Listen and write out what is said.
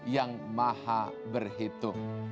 yang maha berhitung